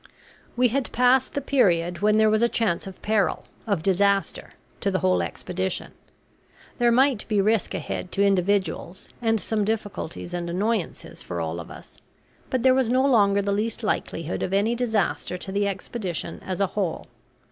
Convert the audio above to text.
We had passed the period when there was a chance of peril, of disaster, to the whole expedition. There might be risk ahead to individuals, and some difficulties and annoyances for all of us; but there was no longer the least likelihood of any disaster to the expedition as a whole.